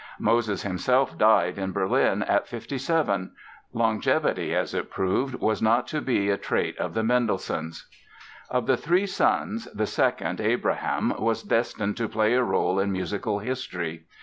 Moses himself died in Berlin at 57. Longevity, as it proved, was not to be a trait of the Mendelssohns. Of the three sons the second, Abraham, was destined to play a role in musical history.